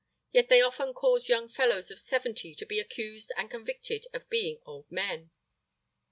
Yet they often cause young fellows of seventy to be accused and convicted of being old men.